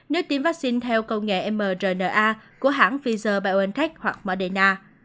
nếu tiêm vaccine theo công nghệ mrna của hãng pfizer biontech hoặc madena